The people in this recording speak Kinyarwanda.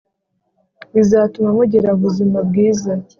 bizatuma mugira ubuzima bwiza.